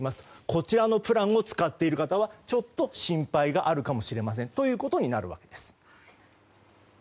こちらのプランを使っている方はちょっと心配があるかもしれませんとなるわけです。